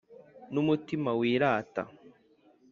N umutima wirata